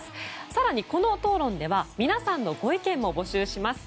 更に、この討論では皆さんのご意見も募集します。